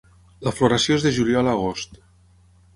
La floració és de juliol a agost.